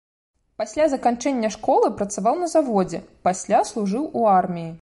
Пасля заканчэння школы працаваў на заводзе, пасля служыў у арміі.